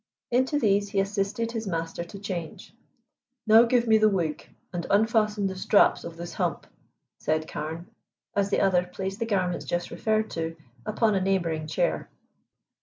Into these he assisted his master to change. "Now give me the wig, and unfasten the straps of this hump," said Carne, as the other placed the garments just referred to upon a neighboring chair.